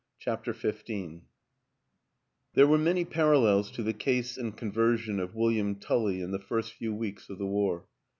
CHAPTER XV THERE were many parallels to the case and conversion of William Tully in the first few weeks of the war.